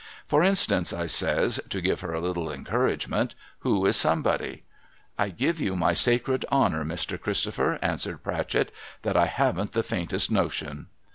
' For instance,' I says, to give her a little encouragement, ' who is Somebody ?'' I give you my sacred honour, Mr. Christopher,' answers Pratchett, ' that I haven't the faintest notion.'